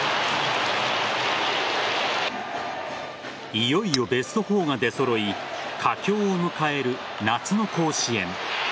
いよいよベスト４が出揃い佳境を迎える夏の甲子園。